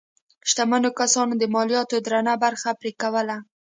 شتمنو کسانو د مالیاتو درنه برخه پرې کوله.